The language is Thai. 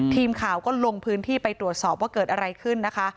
ทีมข่าวก็ลงพื้นที่ไปตรวจสอบว่าเกิดอะไรขึ้นนะคะ